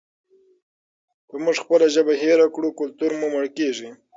که موږ خپله ژبه هېره کړو کلتور مو مړ کیږي.